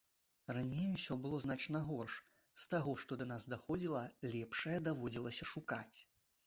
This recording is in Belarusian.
Раней усё было значна горш з таго, што да нас даходзіла, лепшае даводзілася шукаць.